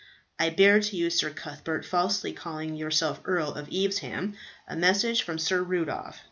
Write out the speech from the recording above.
"I bear to you, Sir Cuthbert, falsely calling yourself Earl of Evesham, a message from Sir Rudolph.